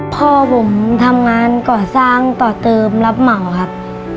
พ่อผมทำงานก่อสร้างต่อเติมรับเหมาครับ